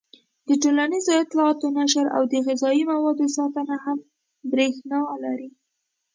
د ټولنیزو اطلاعاتو نشر او د غذايي موادو ساتنه هم برېښنا لري.